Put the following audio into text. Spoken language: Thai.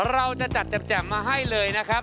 เราจะจัดแจ่มมาให้เลยนะครับ